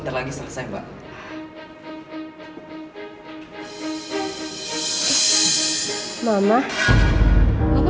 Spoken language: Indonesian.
tapi mathusalem udah keluar